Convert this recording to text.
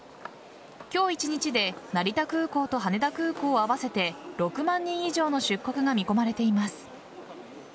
今日一日で成田空港と羽田空港を合わせて６万人以上の出国が見込まれています。